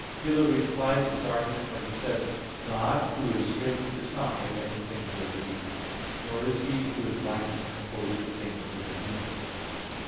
Hilary implies this argument, when he says (De Trin. vii): "God, Who is strength, is not made up of things that are weak; nor is He Who is light, composed of things that are dim."